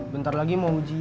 bentar lagi mau ujian